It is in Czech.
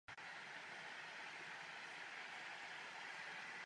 U předního kokpitu bylo velké přední sklo a menší skleněný štít pro zadní sedadlo.